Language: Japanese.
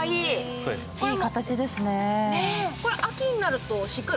いい形ですね。